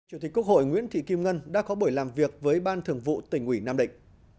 chủ tịch quốc hội nguyễn thị kim ngân đã có buổi làm việc với ban thường vụ tỉnh ủy nam định